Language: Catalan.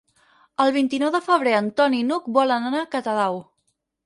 El vint-i-nou de febrer en Ton i n'Hug volen anar a Catadau.